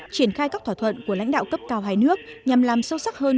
triển khai các thỏa thuận của lãnh đạo cấp cao hai nước nhằm làm sâu sắc hơn